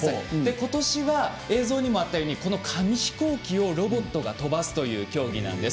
今年は映像にもあったように紙飛行機をロボットが飛ばすという競技だったんです。